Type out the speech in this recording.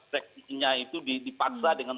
seksinya itu dipaksa dengan